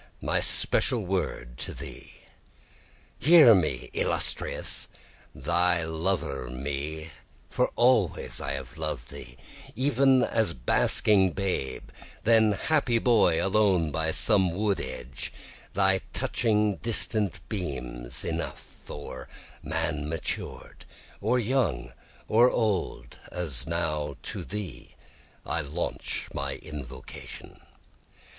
my special word to thee. Hear me illustrious! Thy lover me, for always I have loved thee, Even as basking babe, then happy boy alone by some wood edge, thy touching distant beams enough, Or man matured, or young or old, as now to thee I launch my invocation.